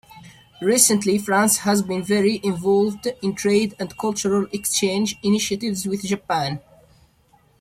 Recently France has been very involved in trade and cultural exchange initiatives with Japan.